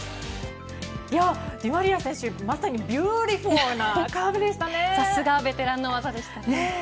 ディマリア選手、まさにビューティフルなさすがベテランの技でした。